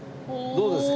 どうですか？